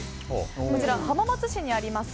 こちら浜松市にあります